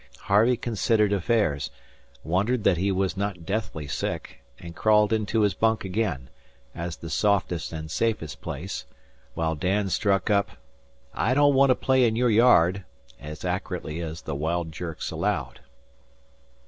Harvey considered affairs, wondered that he was not deathly sick, and crawled into his bunk again, as the softest and safest place, while Dan struck up, "I don't want to play in your yard," as accurately as the wild jerks allowed.